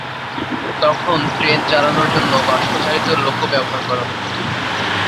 তখন ট্রেন চালানোর জন্য বাষ্পচালিত লোকো ব্যবহার করা হতো।